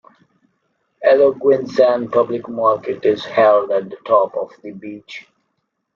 Aloguinsan public market is held at the top of the beach.